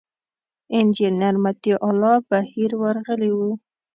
انجینر مطیع الله بهیر ورغلي و.